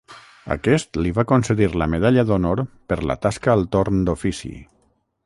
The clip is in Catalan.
Aquest li va concedir la medalla d'honor per la tasca al torn d'ofici.